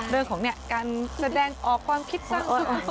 เรื่องของการแสดงออกความคิดสร้าง